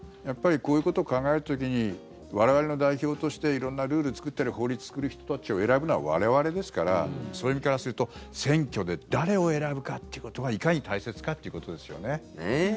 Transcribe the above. こういうことを考える時に我々の代表として色んなルール作ってる法律を作る人たちを選ぶのは我々ですからそういう意味からすると選挙で誰を選ぶかっていうことがいかに大切かっていうことですよね。